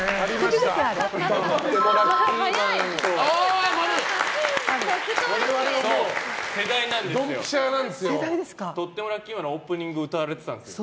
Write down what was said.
「とってもラッキーマン」のオープニングを歌われてたんですよね。